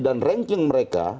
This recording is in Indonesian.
dan ranking mereka